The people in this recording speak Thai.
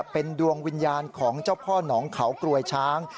เป็นดวงวิญญาณของเจ้าพ่อหนองเขากรวยช้าง